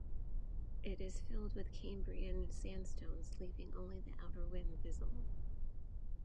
It is filled with Cambrian sandstones leaving only the outer rim visible.